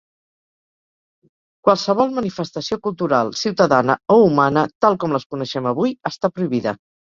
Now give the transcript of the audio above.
Qualsevol manifestació cultural, ciutadana o humana, tal com les coneixem avui, està prohibida.